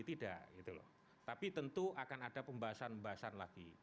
tidak tapi tentu akan ada pembahasan pembahasan lagi